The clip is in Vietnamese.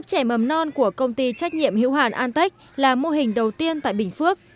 lớp trẻ mầm non của công ty trách nhiệm hưu hản antec là mô hình đầu tiên tại bình phước